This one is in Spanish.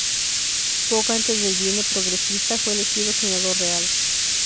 Poco antes del Bienio Progresista fue elegido Senador Real.